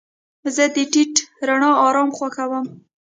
زه د ټیټه رڼا آرام خوښوم.